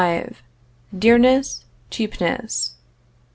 V. DEARNESS CHEAPNESS.